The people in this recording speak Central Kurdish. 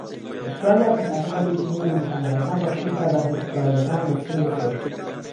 لە ئوستراڵیا، پەتاکە هەلێکی نوێی بە دوکاندارەکان بەخشی تا بەرهەمە ئوستڕاڵیەکان لە سین بفرۆشتن.